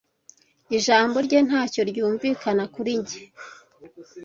Ijambo rye ntacyo ryumvikana kuri njye.